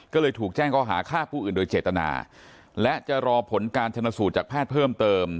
ก็เลยถูกแจ้งเขาหาฆ่าผู้อื่นโดยเจตนาและจะรอผลการชนสูตรจากแพทย์เพิ่มเติม